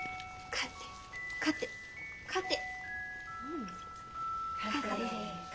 勝て勝て勝て。